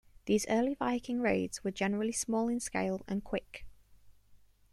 These early Viking raids were generally small in scale and quick.